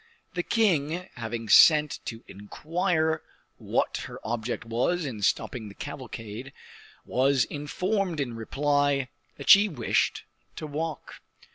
The king, having sent to inquire what her object was in stopping the cavalcade, was informed in reply, that she wished to walk.